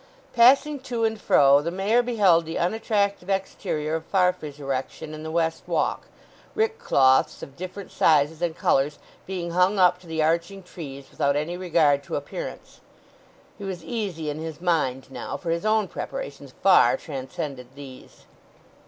Passing to and fro the Mayor beheld the unattractive exterior of Farfrae's erection in the West Walk, rick cloths of different sizes and colours being hung up to the arching trees without any regard to appearance. He was easy in his mind now, for his own preparations far transcended these.